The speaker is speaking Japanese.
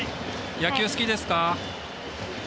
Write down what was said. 野球好きですか。